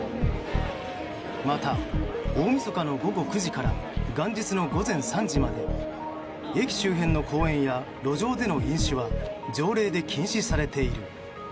また、大みそかの午後９時から元日の午前３時まで駅周辺の公園や路上での飲酒は条例で禁止されている。